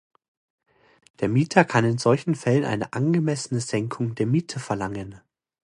Der Mieter kann in solchen Fällen eine angemessene Senkung der Miete verlangen.